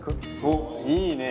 おっいいね。